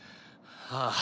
ああ。